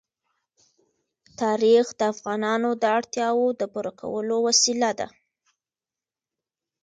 تاریخ د افغانانو د اړتیاوو د پوره کولو وسیله ده.